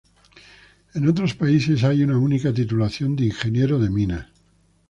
En otros países hay una única titulación de Ingeniero de Minas.